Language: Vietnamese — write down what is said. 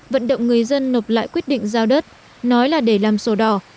vận động người dân nộp lại quyết định giao đất nói là để làm sổ đỏ